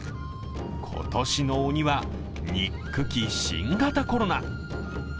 今年の鬼は、憎き新型コロナ。